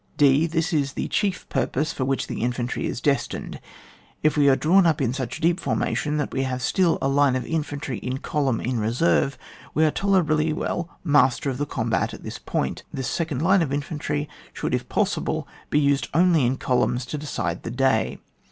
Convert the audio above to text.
(<f.) This is the chief purpose for which the infantry is destined : if we are drawn up in such deep formation that we have still a line of infantry in column in re serve, we are tolerably well master of the combat at this point. This second line of infantry should, if possible, be used only in columns, to decide the day.